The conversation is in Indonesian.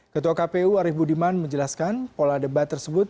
ketua kpu arief budiman menjelaskan pola debat tersebut